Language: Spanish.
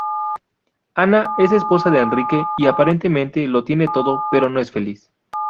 Ana es esposa de Enrique y aparentemente lo tiene todo pero no es feliz.